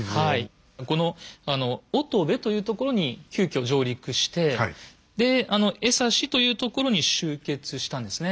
この乙部というところに急遽上陸してで江差というところに集結したんですね。